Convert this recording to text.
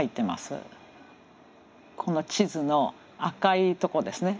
この地図の赤いとこですね